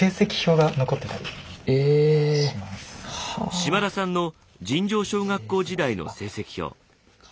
島田さんの尋常小学校時代の成績表。